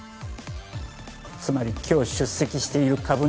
つまり今日出席している株主